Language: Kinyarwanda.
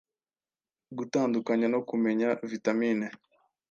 Gutandukanya no kumenya vitamine